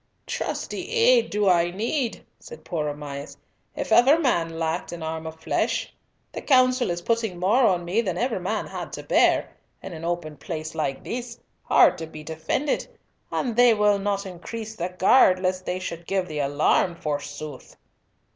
"Trusty aid do I need," said poor Sir Amias, "if ever man lacked an arm of flesh. The Council is putting more on me than ever man had to bear, in an open place like this, hard to be defended, and they will not increase the guard lest they should give the alarm, forsooth!"